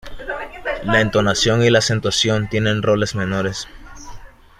La entonación y la acentuación tienen roles menores.